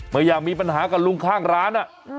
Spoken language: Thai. ไม่อยากมีปัญหากับลุงข้างร้าน